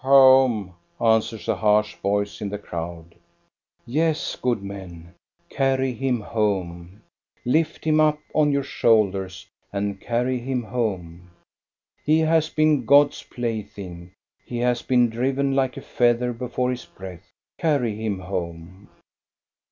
" Home," answers a harsh voice in the crowd. Yes, good men, carry him home! Lift him up on your shoulders and carry him home! He has been God's plaything, he has been driven like a feather before his breath. Carry him home!